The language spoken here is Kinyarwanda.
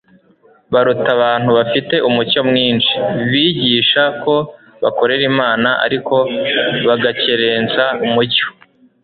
baruta abantu bafite umucyo mwinshi, bigisha ko bakorera Imana ariko bagakerensa umucyo,